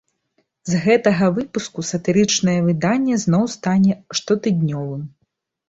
З гэтага выпуску сатырычнае выданне зноў стане штотыднёвым.